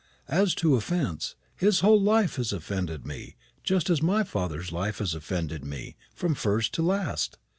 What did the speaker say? As to offence, his whole life has offended me, just as my father's life has offended me, from first to last.